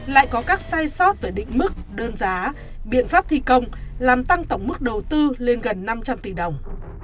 lại có các sai sót về định mức đơn giá biện pháp thi công làm tăng tổng mức đầu tư lên gần năm trăm linh tỷ đồng